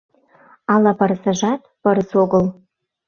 Ала пырысыжат — пырыс огыл?